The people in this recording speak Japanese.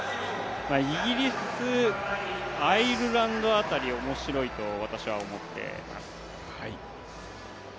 イギリス、アイルランド辺り面白いと私は思ってます。